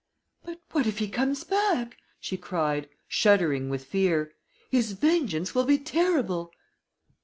"But what if he comes back?" she cried, shuddering with fear. "His vengeance will be terrible."